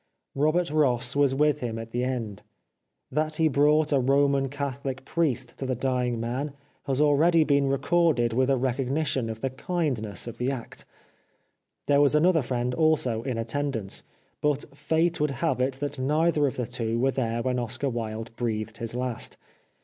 Robert Ross was with him at the end. That he brought a Roman Catholic priest to the dying man has already been recorded with a recog 421 The Life of Oscar Wilde nition of the kindness of the act. There was another friend also in attendance. But fate would have it that neither of the two were there when Oscar Wilde breathed his last.